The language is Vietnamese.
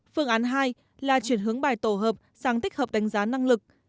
phương án hai là chuyển hướng bài tổ hợp sang tích hợp đánh giá năng lực